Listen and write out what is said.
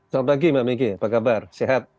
selamat pagi mbak meki apa kabar sehat